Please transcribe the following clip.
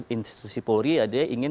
institusi polri ya dia ingin